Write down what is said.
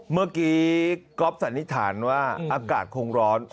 เมื่อกี้ก๊อฟสันนิษฐานว่าอากาศคงร้อน